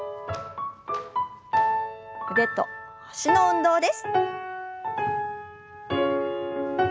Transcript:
腕と脚の運動です。